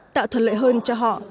tạo thuật lợi hơn cho họ